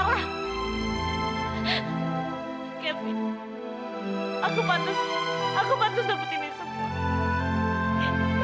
kevin aku patut aku patut nembutin ini semua